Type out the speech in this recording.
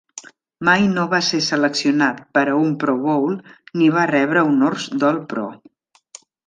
Mai no va ser seleccionat per a un Pro-Bowl ni va rebre honors d'All-Pro.